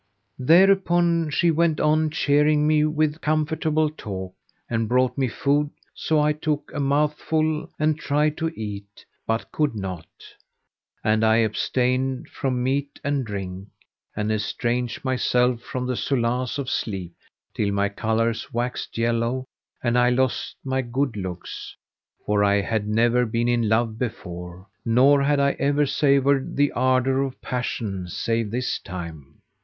Thereupon she went on cheering me with comfortable talk and brought me food: so I took a mouthful and tried to eat but could not; and I abstained from meat and drink and estranged myself from the solace of sleep, till my colour waxed yellow and I lost my good looks; for I had never been in love before nor had I ever savoured the ardour of passion save this time.